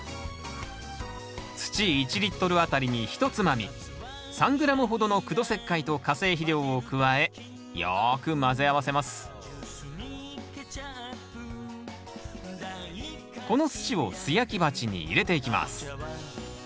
土１あたりにひとつまみ３ｇほどの苦土石灰と化成肥料を加えよく混ぜ合わせますこの土を素焼き鉢に入れていきます。